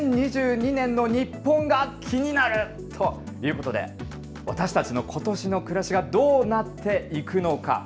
２０２２年の日本がキニナルということで、私たちのことしの暮らしがどうなっていくのか。